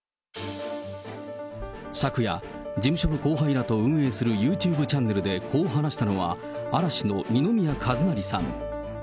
昨夜、事務所の後輩らと運営するユーチューブチャンネルでこう話したのは、嵐の二宮和也さん。